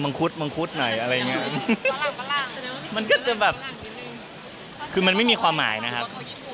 มันก็จะแบบคือมันไม่มีความหมายนะครับ